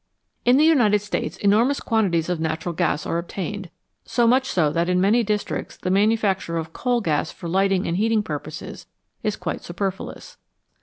In the United States enormous quantities of natural gas are obtained, so much so that in many districts the manufacture of coal gas for lighting and heating purposes is quite superfluous.